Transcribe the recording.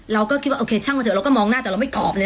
เราก็คิดว่าโอเคช่างมาเถอเราก็มองหน้าแต่เราไม่ตอบเลย